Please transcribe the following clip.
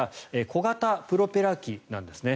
小型プロペラ機なんですね。